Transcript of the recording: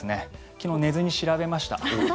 昨日、寝ずに調べました。